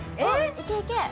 いけいけ！